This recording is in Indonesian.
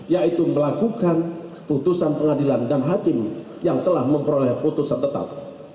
yaitu melakukan putusan pengadilan dan hakim yang telah memperoleh putusan tetap